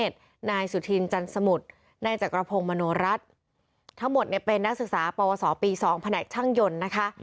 ทั้งหมดเป็นนักศึกษาปวสอปี๒ภานะช่างยนต์นะคะ